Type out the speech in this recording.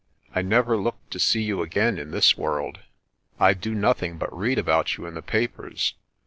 "I never looked to see you again in this world. I do nothing but read about you in the papers.